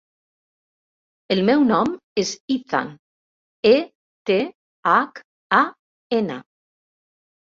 El meu nom és Ethan: e, te, hac, a, ena.